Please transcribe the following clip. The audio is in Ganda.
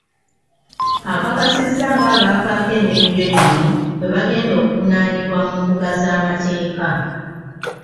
Akakasizza ng'abaavaako emivuyo gino bwe bagenda okuvunaanibwa mu mbuga z'amateeka.